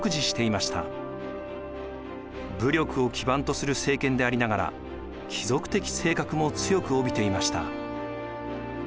武力を基盤とする政権でありながら貴族的性格も強く帯びていました。